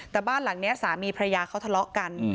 แต่บ้านหลังนี้สามีพระยาเขาทะเลาะกัน